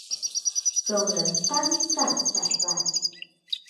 众人呆站在外